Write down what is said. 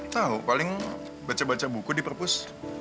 tahu paling baca baca buku di perpus